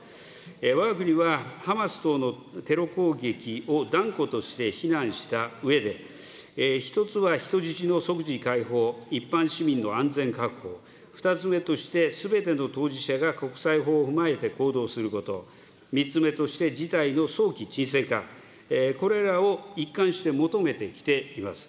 わが国はハマス等のテロ攻撃を断固として非難したうえで、１つは人質の即時解放、一般市民の安全確保、２つ目として、すべての当事者が国際法を踏まえて行動すること、３つ目として、事態の早期鎮静化、これらを一貫して求めてきています。